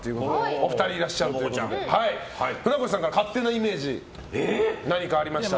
お二人いらっしゃるということで船越さんから勝手なイメージ何かありましたら。